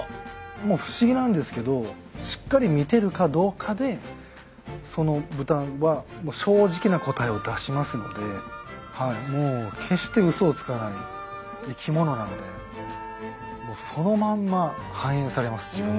もう不思議なんですけどしっかり見てるかどうかでその豚は正直な答えを出しますのでもう決してうそをつかない生きものなのでそのまんま反映されます自分の仕事が。